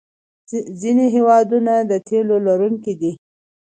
ځینې هېوادونه د تیلو لرونکي دي.